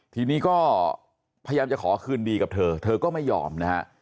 ทีนี้ก็พยายามจะขอคืนดีกับเธอเธอก็ไม่ยอมนะฮะ